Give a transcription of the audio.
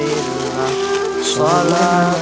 terus ke kgu welding